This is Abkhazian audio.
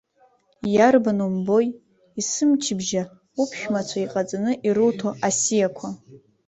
Иарбан умбои, есымчыбжьа уԥшәмацәа иҟаҵаны ируҭо асиақәа.